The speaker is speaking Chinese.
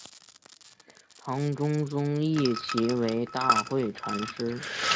唐中宗谥其为大惠禅师。